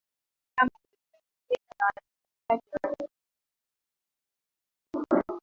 kama ilivyopendekezwa na wanaharakati wa nchini humo